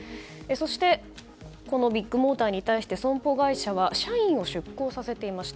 そして、ビッグモーターに対して損保会社は社員を出向させていました。